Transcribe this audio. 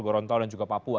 gorontalo dan juga papua